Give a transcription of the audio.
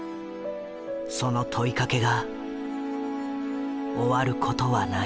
その問いかけが終わることはない。